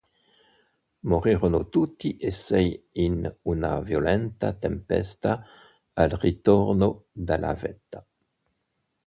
Morirono tutti e sei in una violenta tempesta al ritorno dalla vetta.